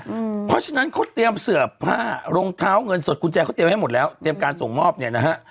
เพราะฉะนั้นเขาเตรียมเสื้อผ้ารองเท้าเงินสดกุญแจเขาเตรียมให้หมดแล้วเตรียมการส่งมอบเนี่ยนะฮะ